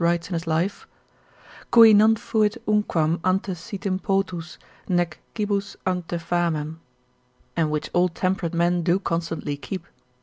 writes in his life, ———cui non fuit unquam Ante sitim potus, nec cibus ante famem, and which all temperate men do constantly keep.